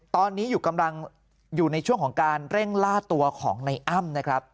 ตอนนี้อยู่กำลังอยู่ในช่วงของการเร่งล่าตัวของในอ้ำนะครับ